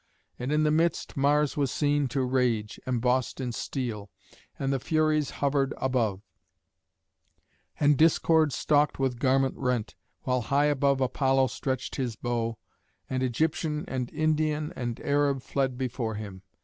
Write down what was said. And in the midst Mars was seen to rage, embossed in steel; and the Furies hovered above, and Discord stalked with garment rent, while high above Apollo stretched his bow, and Egyptian and Indian and Arab fled before him.